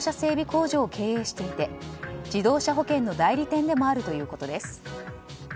工場を経営していて自動車保険の代理店でもあるということです。